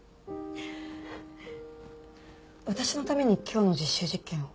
私のために今日の実習実験を？